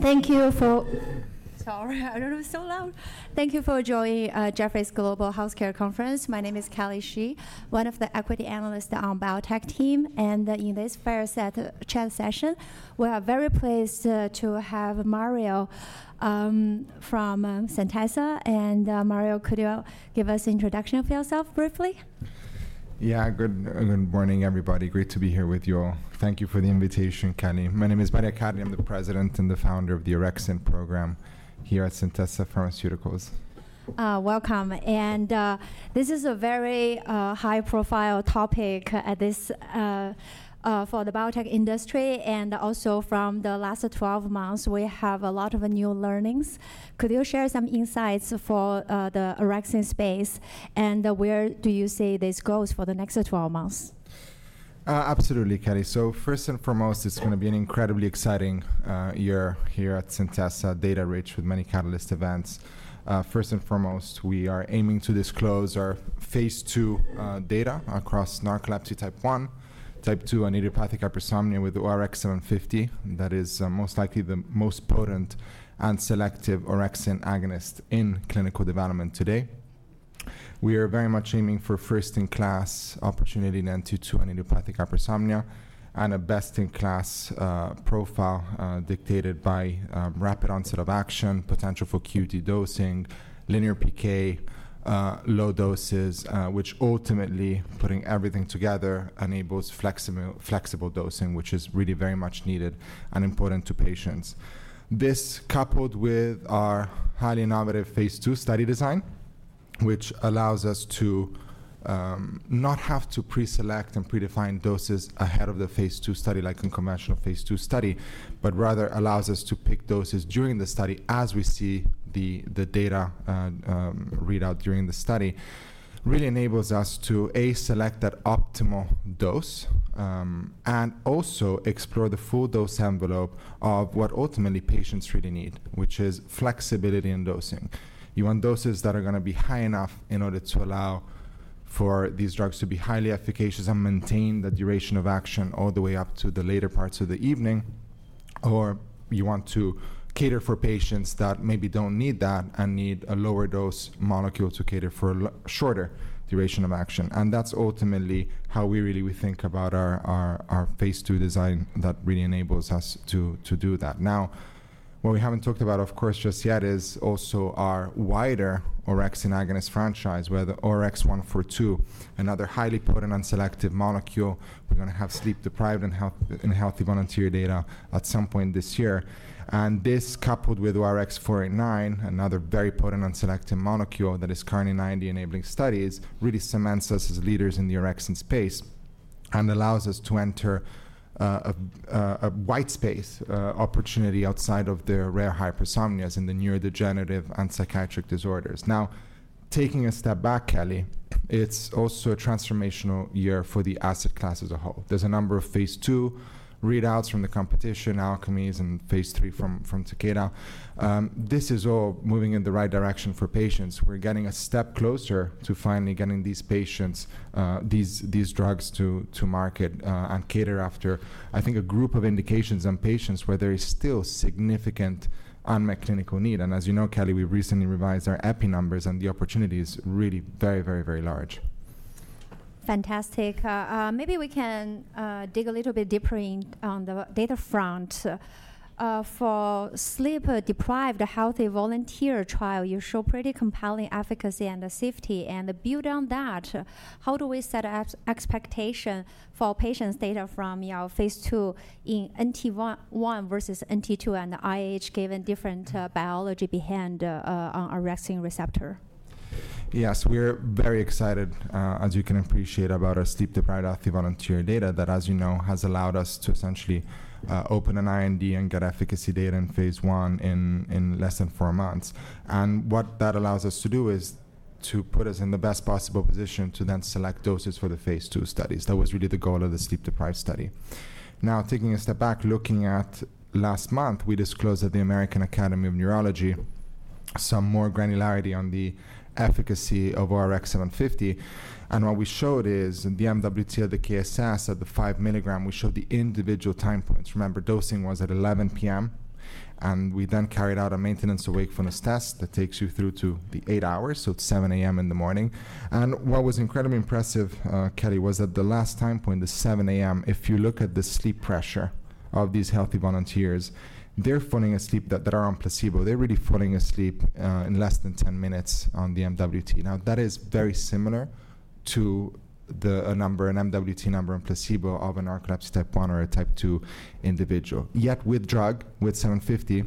Thank you for—sorry, I don't know if it's so loud. Thank you for joining Jefferies Global Healthcare Conference. My name is Kelly Shi, one of the equity analysts on the Biotech team. In this first chat session, we are very pleased to have Mario from Centessa. Mario, could you give us an introduction of yourself briefly? Yeah, good morning, everybody. Great to be here with you all. Thank you for the invitation, Kelly. My name is Mario Accardi. I'm the President and the founder of the Orexin program here at Centessa Pharmaceuticals. Welcome. This is a very high-profile topic for the biotech industry. Also, from the last 12 months, we have a lot of new learnings. Could you share some insights for the orexin space? Where do you see these goals for the next 12 months? Absolutely, Kelly. First and foremost, it's going to be an incredibly exciting year here at Centessa, data-rich with many catalyst events. First and foremost, we are aiming to disclose our phase two data across narcolepsy type 1, type 2, and idiopathic hypersomnia with ORX750. That is most likely the most potent and selective orexin agonist in clinical development today. We are very much aiming for first-in-class opportunity in NT2 and idiopathic hypersomnia, and a best-in-class profile dictated by rapid onset of action, potential for QD dosing, linear PK, low doses, which ultimately, putting everything together, enables flexible dosing, which is really very much needed and important to patients. This, coupled with our highly innovative phase two study design, which allows us to not have to preselect and predefine doses ahead of the phase two study, like a conventional phase two study, but rather allows us to pick doses during the study as we see the data readout during the study, really enables us to, A, select that optimal dose, and also explore the full dose envelope of what ultimately patients really need, which is flexibility in dosing. You want doses that are going to be high enough in order to allow for these drugs to be highly efficacious and maintain the duration of action all the way up to the later parts of the evening. You want to cater for patients that maybe do not need that and need a lower dose molecule to cater for a shorter duration of action. That is ultimately how we really think about our phase two design that really enables us to do that. Now, what we have not talked about, of course, just yet, is also our wider Orexin agonist franchise, where the ORX-142, another highly potent and selective molecule, we are going to have sleep-deprived and healthy volunteer data at some point this year. This, coupled with ORX-489, another very potent and selective molecule that is currently in IND enabling studies, really cements us as leaders in the Orexin space and allows us to enter a white space opportunity outside of the rare hypersomnias and the neurodegenerative and psychiatric disorders. Now, taking a step back, Kelly, it is also a transformational year for the asset class as a whole. There are a number of phase two readouts from the competition, Alkermes, and phase three from Takeda. This is all moving in the right direction for patients. We're getting a step closer to finally getting these patients, these drugs to market and cater after, I think, a group of indications and patients where there is still significant unmet clinical need. As you know, Kelly, we recently revised our EPI numbers, and the opportunity is really very, very, very large. Fantastic. Maybe we can dig a little bit deeper on the data front. For sleep-deprived, healthy volunteer trial, you show pretty compelling efficacy and safety. Build on that, how do we set expectation for patients' data from phase two in NT1 versus NT2 and IH given different biology behind an OX2R receptor? Yes, we're very excited, as you can appreciate, about our sleep-deprived, healthy volunteer data that, as you know, has allowed us to essentially open an IND and get efficacy data in phase one in less than four months. What that allows us to do is to put us in the best possible position to then select doses for the phase two studies. That was really the goal of the sleep-deprived study. Now, taking a step back, looking at last month, we disclosed at the American Academy of Neurology some more granularity on the efficacy of ORX-750. What we showed is the MWT of the KSS at the 5 milligram, we showed the individual time points. Remember, dosing was at 11:00 P.M. We then carried out a maintenance wakefulness test that takes you through to the 8 hours, so it's 7:00 A.M. in the morning. What was incredibly impressive, Kelly, was at the last time point, the 7:00 A.M., if you look at the sleep pressure of these healthy volunteers, they're falling asleep that are on placebo. They're really falling asleep in less than 10 minutes on the MWT. That is very similar to a number, an MWT number on placebo of a narcolepsy type 1 or a type 2 individual. Yet with drug, with 750,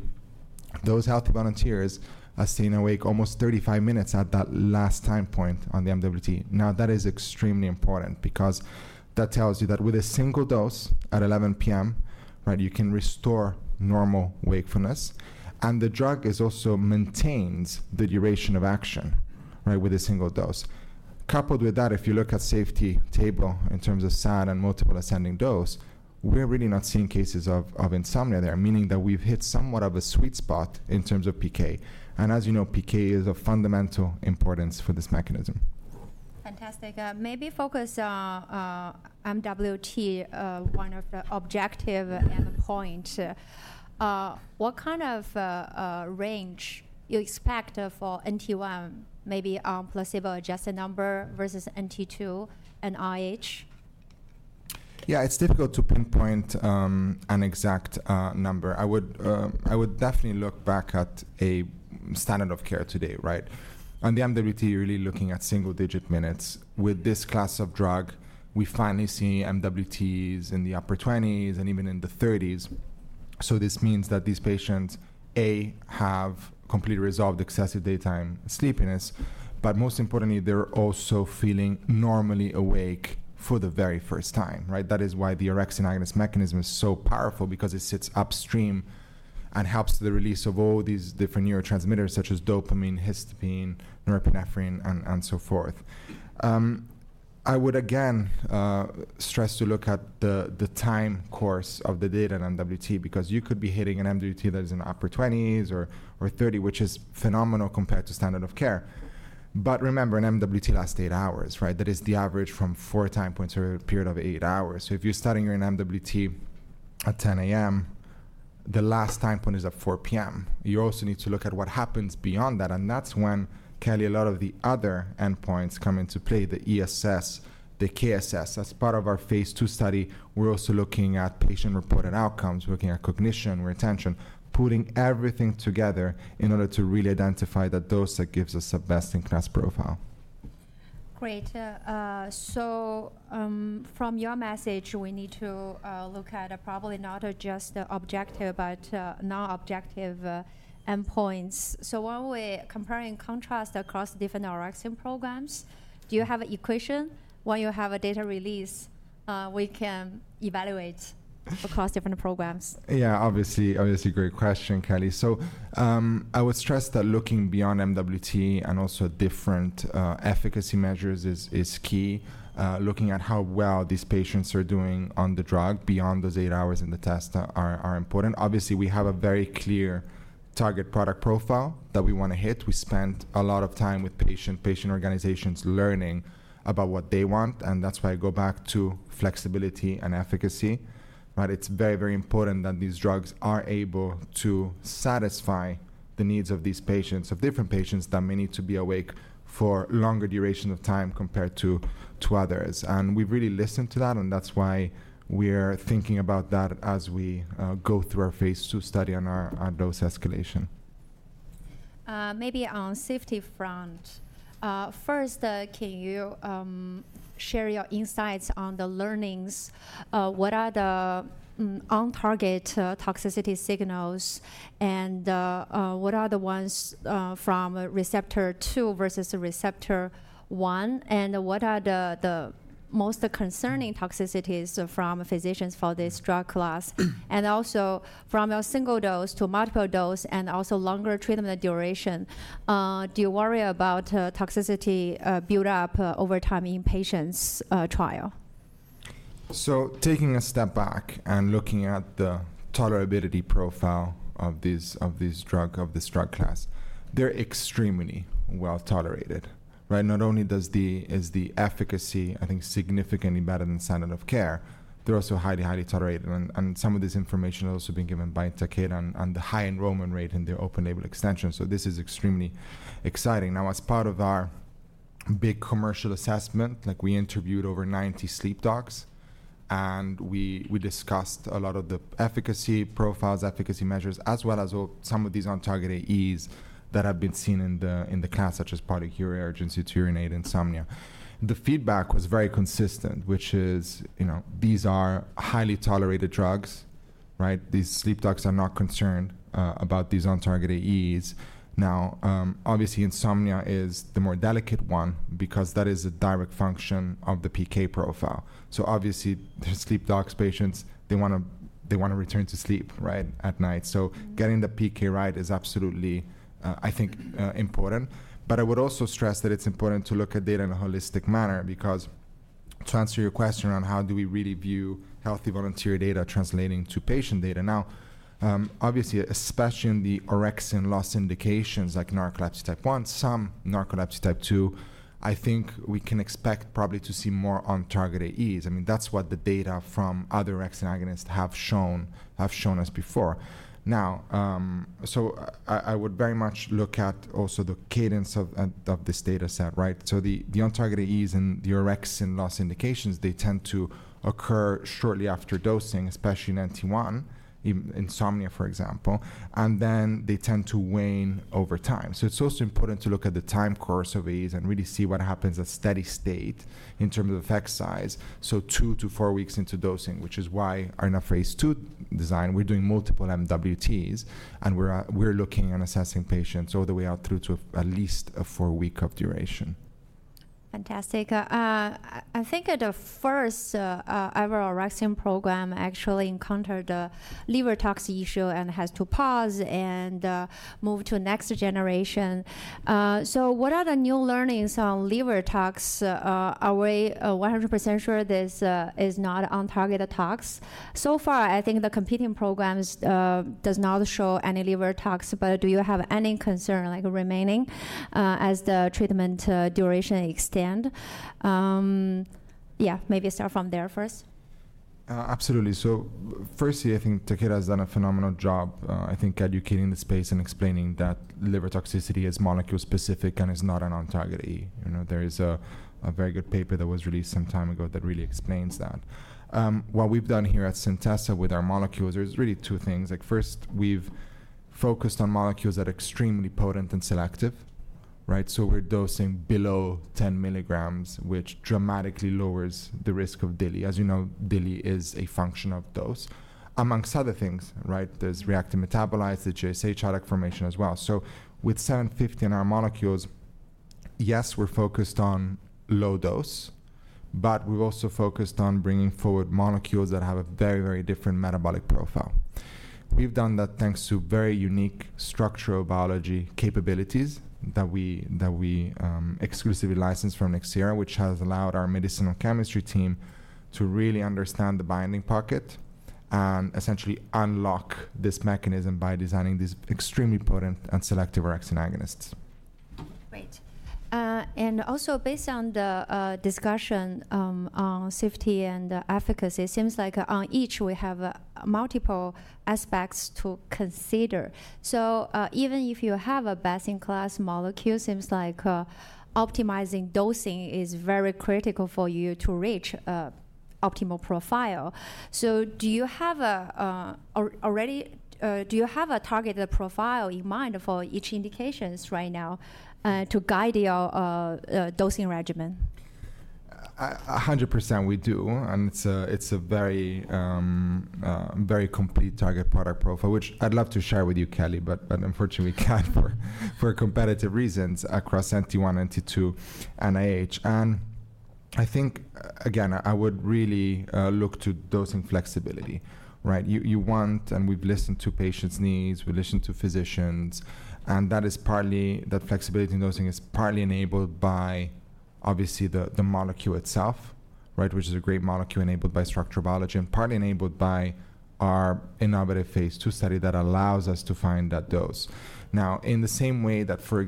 those healthy volunteers are staying awake almost 35 minutes at that last time point on the MWT. That is extremely important because that tells you that with a single dose at 11:00 P.M., you can restore normal wakefulness. The drug also maintains the duration of action with a single dose. Coupled with that, if you look at safety table in terms of SAD and multiple ascending dose, we're really not seeing cases of insomnia there, meaning that we've hit somewhat of a sweet spot in terms of PK. As you know, PK is of fundamental importance for this mechanism. Fantastic. Maybe focus on MWT, one of the objectives and the points. What kind of range you expect for NT1, maybe on placebo, adjusted number versus NT2 and IH? Yeah, it's difficult to pinpoint an exact number. I would definitely look back at a standard of care today. On the MWT, you're really looking at single-digit minutes. With this class of drug, we finally see MWTs in the upper 20s and even in the 30s. This means that these patients, A, have completely resolved excessive daytime sleepiness, but most importantly, they're also feeling normally awake for the very first time. That is why the Orexin agonist mechanism is so powerful, because it sits upstream and helps the release of all these different neurotransmitters, such as dopamine, histamine, norepinephrine, and so forth. I would again stress to look at the time course of the data in MWT, because you could be hitting an MWT that is in the upper 20s or 30, which is phenomenal compared to standard of care. Remember, an MWT lasts 8 hours. That is the average from four time points over a period of 8 hours. If you're starting your MWT at 10:00 A.M., the last time point is at 4:00 P.M. You also need to look at what happens beyond that. That's when, Kelly, a lot of the other endpoints come into play, the ESS, the KSS. As part of our phase two study, we're also looking at patient-reported outcomes, looking at cognition, retention, putting everything together in order to really identify the dose that gives us a best-in-class profile. Great. From your message, we need to look at probably not just objective, but non-objective endpoints. When we're comparing and contrasting across different Orexin programs, do you have an equation? When you have a data release, can we evaluate across different programs? Yeah, obviously, great question, Kelly. I would stress that looking beyond MWT and also different efficacy measures is key. Looking at how well these patients are doing on the drug beyond those 8 hours in the test is important. Obviously, we have a very clear target product profile that we want to hit. We spent a lot of time with patient organizations learning about what they want. That's why I go back to flexibility and efficacy. It's very, very important that these drugs are able to satisfy the needs of these patients, of different patients that may need to be awake for longer durations of time compared to others. We've really listened to that. That's why we're thinking about that as we go through our phase two study on our dose escalation. Maybe on the safety front, first, can you share your insights on the learnings? What are the on-target toxicity signals? What are the ones from receptor 2 versus receptor 1? What are the most concerning toxicities from physicians for this drug class? Also, from a single dose to multiple dose and also longer treatment duration, do you worry about toxicity build-up over time in patients' trial? Taking a step back and looking at the tolerability profile of this drug, of this drug class, they're extremely well tolerated. Not only is the efficacy, I think, significantly better than standard of care, they're also highly, highly tolerated. Some of this information has also been given by Takeda and the high enrollment rate in their open label extension. This is extremely exciting. Now, as part of our big commercial assessment, we interviewed over 90 sleep docs. We discussed a lot of the efficacy profiles, efficacy measures, as well as some of these on-target AEs that have been seen in the class, such as polyuria, urgency to urinate, insomnia. The feedback was very consistent, which is these are highly tolerated drugs. These sleep docs are not concerned about these on-target AEs. Now, obviously, insomnia is the more delicate one because that is a direct function of the PK profile. Obviously, sleep docs, patients, they want to return to sleep at night. Getting the PK right is absolutely, I think, important. I would also stress that it is important to look at data in a holistic manner because to answer your question on how do we really view healthy volunteer data translating to patient data. Obviously, especially in the orexin loss indications like narcolepsy type 1, some narcolepsy type 2, I think we can expect probably to see more on-target AEs. I mean, that is what the data from other orexin agonists have shown us before. I would very much look at also the cadence of this data set. The on-target AEs and the orexin loss indications, they tend to occur shortly after dosing, especially in NT1, insomnia, for example. They tend to wane over time. It's also important to look at the time course of AEs and really see what happens at steady state in terms of effect size, so two to four weeks into dosing, which is why in our phase two design, we're doing multiple MWTs. We're looking and assessing patients all the way out through to at least a four-week duration. Fantastic. I think the first ever Orexin program actually encountered a liver tox issue and had to pause and move to next generation. What are the new learnings on liver tox? Are we 100% sure this is not on-target tox? So far, I think the competing programs do not show any liver tox. Do you have any concern remaining as the treatment duration extends? Yeah, maybe start from there first. Absolutely. Firstly, I think Takeda has done a phenomenal job, I think, educating the space and explaining that liver toxicity is molecule-specific and is not an on-target AE. There is a very good paper that was released some time ago that really explains that. What we've done here at Centessa with our molecules, there are really two things. First, we've focused on molecules that are extremely potent and selective. We are dosing below 10 milligrams, which dramatically lowers the risk of DILI. As you know, DILI is a function of dose. Among other things, there is reactive metabolites that GSH product formation as well. With 750 in our molecules, yes, we are focused on low dose. We have also focused on bringing forward molecules that have a very, very different metabolic profile. We've done that thanks to very unique structural biology capabilities that we exclusively licensed from Nexera, which has allowed our medicinal chemistry team to really understand the binding pocket and essentially unlock this mechanism by designing these extremely potent and selective orexin agonists. Great. Also, based on the discussion on safety and efficacy, it seems like on each, we have multiple aspects to consider. Even if you have a best-in-class molecule, it seems like optimizing dosing is very critical for you to reach an optimal profile. Do you have already a targeted profile in mind for each indication right now to guide your dosing regimen? 100%, we do. It is a very complete target product profile, which I'd love to share with you, Kelly, but unfortunately, we can't for competitive reasons across NT1, NT2, and IH. I think, again, I would really look to dosing flexibility. You want, and we've listened to patients' needs. We've listened to physicians. That flexibility in dosing is partly enabled by, obviously, the molecule itself, which is a great molecule enabled by structural biology and partly enabled by our innovative phase two study that allows us to find that dose. In the same way that, for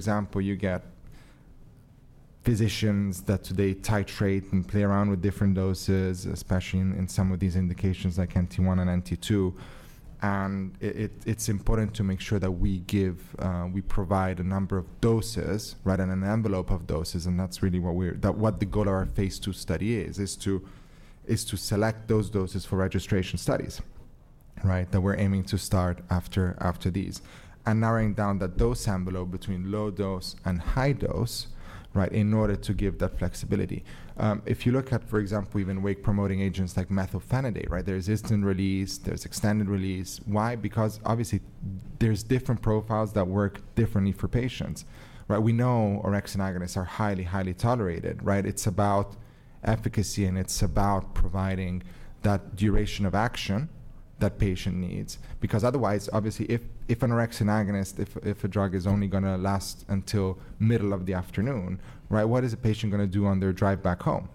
example, you get physicians that today titrate and play around with different doses, especially in some of these indications like NT1 and NT2, it's important to make sure that we provide a number of doses and an envelope of doses. That is really what the goal of our phase two study is, to select those doses for registration studies that we are aiming to start after these. Narrowing down that dose envelope between low dose and high dose in order to give that flexibility. If you look at, for example, even wake-promoting agents like methylphenidate, there is instant release. There is extended release. Why? Because, obviously, there are different profiles that work differently for patients. We know Orexin agonists are highly, highly tolerated. It is about efficacy, and it is about providing that duration of action that the patient needs. Because otherwise, obviously, if an Orexin agonist, if a drug is only going to last until the middle of the afternoon, what is a patient going to do on their drive back home?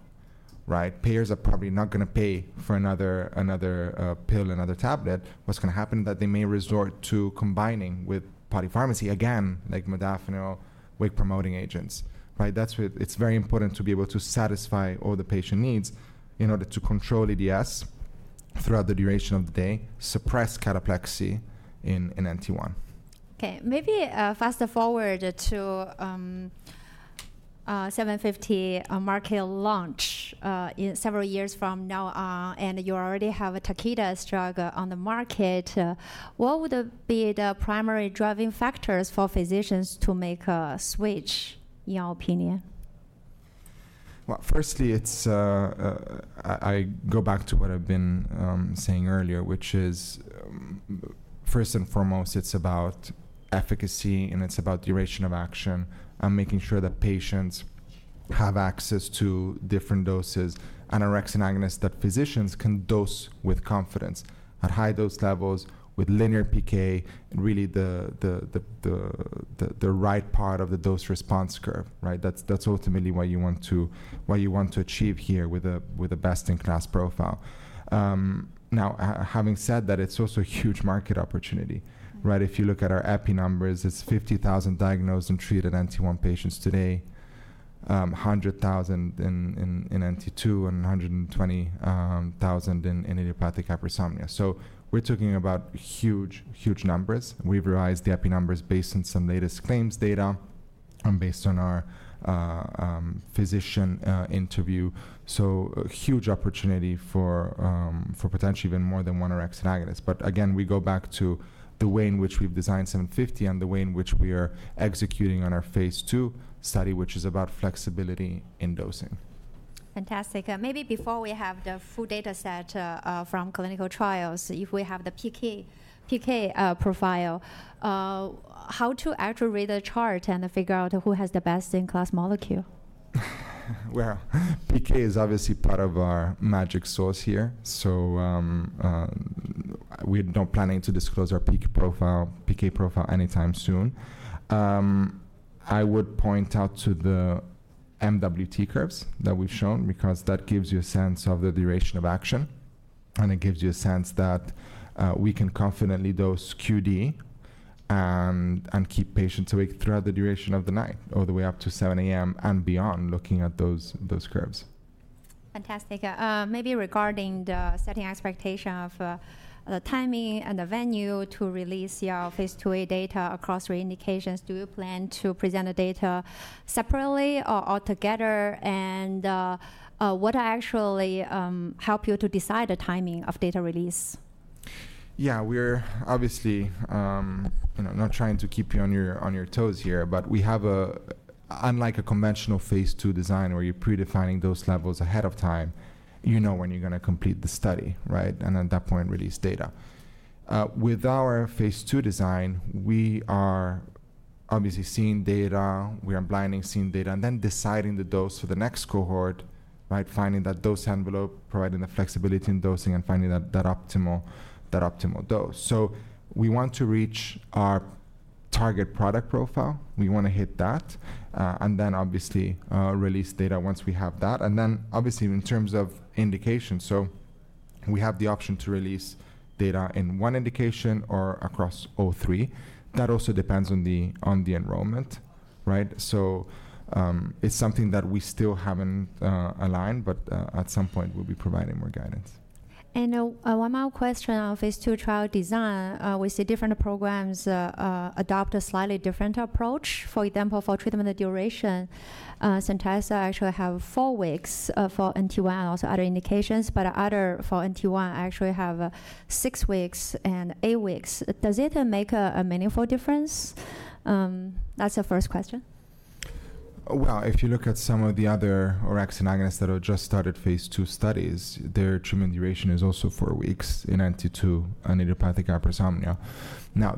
Payers are probably not going to pay for another pill, another tablet. What's going to happen is that they may resort to combining with polypharmacy, again, like modafinil, wake-promoting agents. It's very important to be able to satisfy all the patient needs in order to control EDS throughout the duration of the day, suppress cataplexy in NT1. OK. Maybe fast forward to 750 market launch several years from now. You already have Takeda's drug on the market. What would be the primary driving factors for physicians to make a switch, in your opinion? Firstly, I go back to what I've been saying earlier, which is, first and foremost, it's about efficacy, and it's about duration of action, and making sure that patients have access to different doses and Orexin agonists that physicians can dose with confidence at high dose levels with linear PK, really the right part of the dose response curve. That's ultimately what you want to achieve here with a best-in-class profile. Now, having said that, it's also a huge market opportunity. If you look at our EPI numbers, it's 50,000 diagnosed and treated NT1 patients today, 100,000 in NT2, and 120,000 in idiopathic hypersomnia. We're talking about huge, huge numbers. We've revised the EPI numbers based on some latest claims data and based on our physician interview. Huge opportunity for potentially even more than one Orexin agonist. Again, we go back to the way in which we've designed 750 and the way in which we are executing on our phase two study, which is about flexibility in dosing. Fantastic. Maybe before we have the full data set from clinical trials, if we have the PK profile, how do you actually read the chart and figure out who has the best-in-class molecule? PK is obviously part of our magic sauce here. We are not planning to disclose our PK profile anytime soon. I would point out to the MWT curves that we have shown because that gives you a sense of the duration of action. It gives you a sense that we can confidently dose QD and keep patients awake throughout the duration of the night all the way up to 7:00 A.M. and beyond, looking at those curves. Fantastic. Maybe regarding the setting expectation of the timing and the venue to release your phase two data across three indications, do you plan to present the data separately or altogether? What actually helped you to decide the timing of data release? Yeah, we're obviously not trying to keep you on your toes here. We have, unlike a conventional phase two design where you're predefining those levels ahead of time, you know when you're going to complete the study and at that point release data. With our phase two design, we are obviously seeing data. We are blinding, seeing data, and then deciding the dose for the next cohort, finding that dose envelope, providing the flexibility in dosing, and finding that optimal dose. We want to reach our target product profile. We want to hit that and then obviously release data once we have that. Obviously, in terms of indication, we have the option to release data in one indication or across all three. That also depends on the enrollment. It's something that we still haven't aligned. At some point, we'll be providing more guidance. One more question on phase two trial design. We see different programs adopt a slightly different approach. For example, for treatment duration, Centessa actually have four weeks for NT1 and also other indications. Others for NT1 actually have six weeks and eight weeks. Does it make a meaningful difference? That's the first question. If you look at some of the other orexin agonists that have just started phase two studies, their treatment duration is also four weeks in NT2 and idiopathic hypersomnia.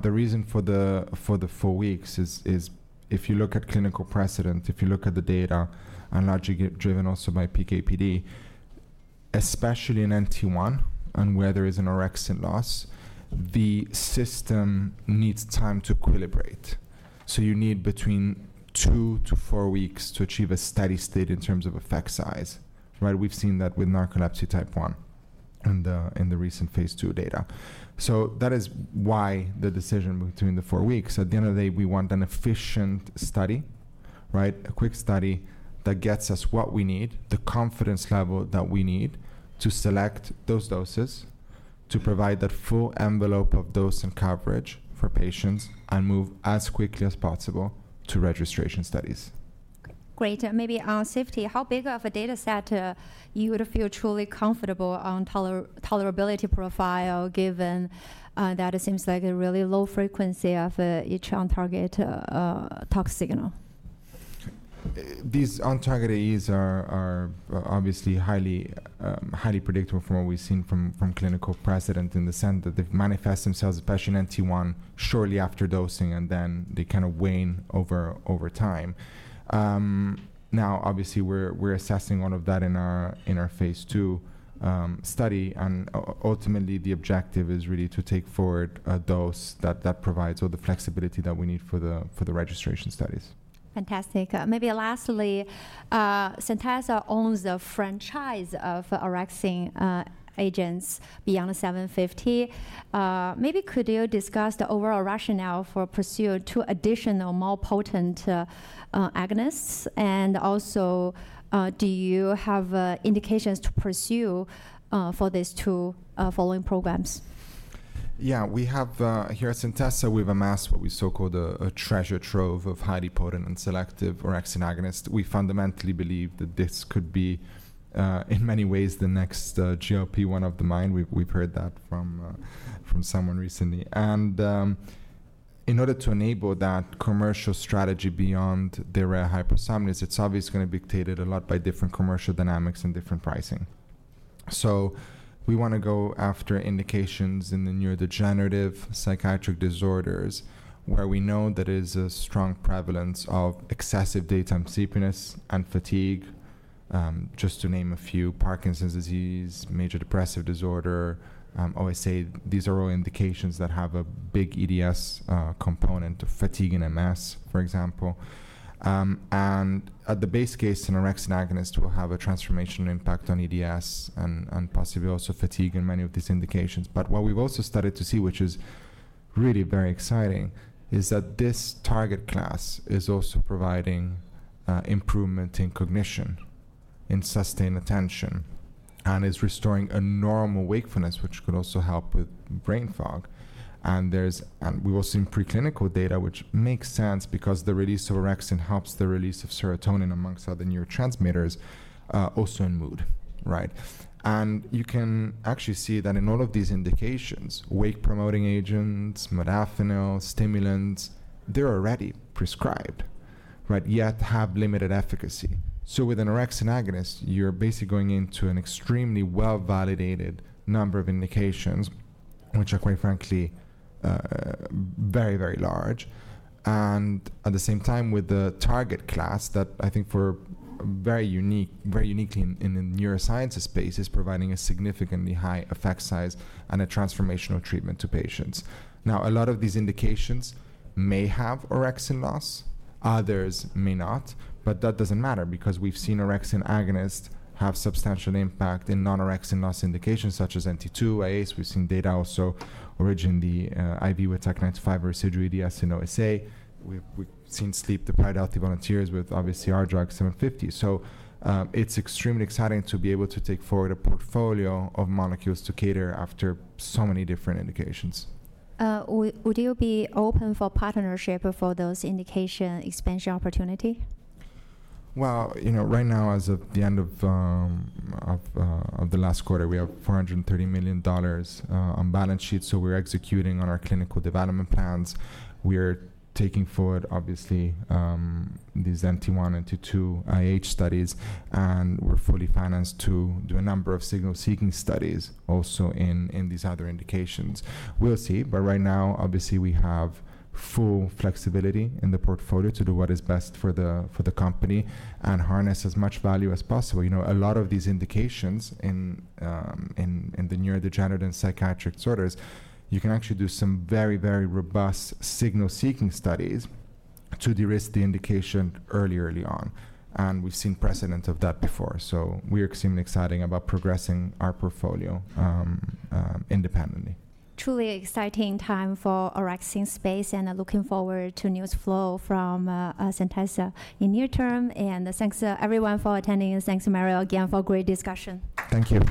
The reason for the four weeks is, if you look at clinical precedent, if you look at the data and largely driven also by PKPD, especially in NT1 and where there is an orexin loss, the system needs time to equilibrate. You need between two to four weeks to achieve a steady state in terms of effect size. We've seen that with narcolepsy type 1 and the recent phase two data. That is why the decision between the four weeks. At the end of the day, we want an efficient study, a quick study that gets us what we need, the confidence level that we need to select those doses to provide that full envelope of dose and coverage for patients and move as quickly as possible to registration studies. Great. Maybe on safety, how big of a data set you would feel truly comfortable on tolerability profile given that it seems like a really low frequency of each on-target tox signal? These on-target AEs are obviously highly predictable from what we've seen from clinical precedent in the sense that they manifest themselves, especially in NT1, shortly after dosing. They kind of wane over time. Now, obviously, we're assessing all of that in our phase two study. Ultimately, the objective is really to take forward a dose that provides all the flexibility that we need for the registration studies. Fantastic. Maybe lastly, Centessa owns the franchise of Orexin agents beyond 750. Maybe could you discuss the overall rationale for pursuing two additional more potent agonists? Also, do you have indications to pursue for these two following programs? Yeah, here at Centessa, we've amassed what we so call a treasure trove of highly potent and selective orexin agonists. We fundamentally believe that this could be, in many ways, the next GLP-1 of the mind. We've heard that from someone recently. In order to enable that commercial strategy beyond the rare hypersomnia, it's obviously going to be dictated a lot by different commercial dynamics and different pricing. We want to go after indications in the neurodegenerative psychiatric disorders where we know that there is a strong prevalence of excessive daytime sleepiness and fatigue, just to name a few: Parkinson's disease, major depressive disorder, OSA. These are all indications that have a big EDS component of fatigue and MS, for example. At the base case, an orexin agonist will have a transformational impact on EDS and possibly also fatigue in many of these indications. What we've also started to see, which is really very exciting, is that this target class is also providing improvement in cognition, in sustained attention, and is restoring a normal wakefulness, which could also help with brain fog. We've also seen preclinical data, which makes sense because the release of orexin helps the release of serotonin amongst other neurotransmitters, also in mood. You can actually see that in all of these indications, wake-promoting agents, modafinil, stimulants, they're already prescribed yet have limited efficacy. With an orexin agonist, you're basically going into an extremely well-validated number of indications, which are quite frankly very, very large. At the same time, with the target class that I think very uniquely in the neuroscience space is providing a significantly high effect size and a transformational treatment to patients. Now, a lot of these indications may have orexin loss. Others may not. That does not matter because we've seen orexin agonists have substantial impact in non-orexin loss indications such as NT2, IH. We've seen data also originally IV with Takeda for residual EDS in OSA. We've seen sleep-deprived healthy volunteers with, obviously, our drug, ORX-750. It is extremely exciting to be able to take forward a portfolio of molecules to cater after so many different indications. Would you be open for partnership for those indication expansion opportunities? Right now, as of the end of the last quarter, we have $430 million on balance sheet. We are executing on our clinical development plans. We are taking forward, obviously, these NT1, NT2, IH studies. We are fully financed to do a number of signal-seeking studies also in these other indications. We will see. Right now, obviously, we have full flexibility in the portfolio to do what is best for the company and harness as much value as possible. A lot of these indications in the neurodegenerative and psychiatric disorders, you can actually do some very, very robust signal-seeking studies to de-risk the indication early, early on. We have seen precedent of that before. We are extremely excited about progressing our portfolio independently. Truly exciting time for Orexin space. Looking forward to news flow from Centessa in the near term. Thanks, everyone, for attending. Thanks, Mario, again for a great discussion. Thank you.